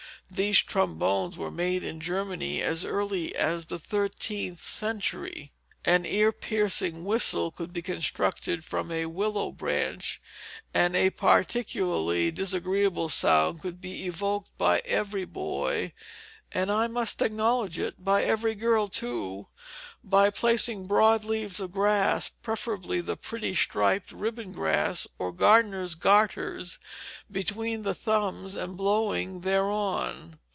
These trombones were made in Germany as early as the thirteenth century. An ear piercing whistle could be constructed from a willow branch, and a particularly disagreeable sound could be evoked by every boy, and (I must acknowledge it) by every girl, too, by placing broad leaves of grass preferably the pretty striped ribbon grass, or gardener's garters between the thumbs and blowing thereon.